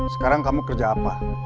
sekarang kamu kerja apa